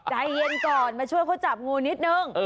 ใจเย็นก่อนมาช่วยเขาจับงูนิดนึง